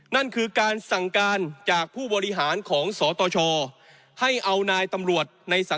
นั่นคือการสั่งการจากผู้บริหารของสตช